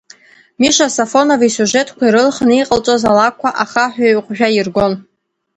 Миша Софонов исиужетқәа ирылхны иҟалҵоз алакәқәа ахаҳә ҩеиҟәжәа иргон.